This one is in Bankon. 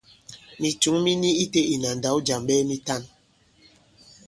Mìtǔŋ mi ni itē ìna ndǎw jàm ɓɛɛ mitan.